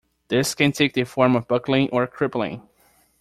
This can take the form of buckling or crippling.